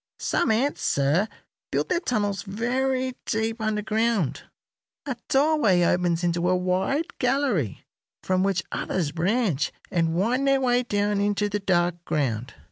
Some ants, sir, build their tunnels very deep underground. A doorway opens into a wide gallery, from which others branch and wind their way down into the dark ground.